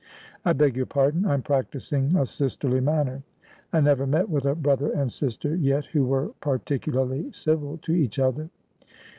' I beg your pardon, I am practising a sisterly manner. I never met with a brother and sister yet who were particularly civil to each other.'